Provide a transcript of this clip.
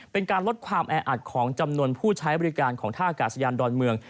เป็นการลดความแออัดของจำนวนผู้ใช้บริการของท่ากาศยานดอนเมือง